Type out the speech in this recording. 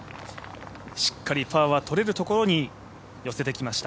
しっかりパーは取れるところに寄せてきました。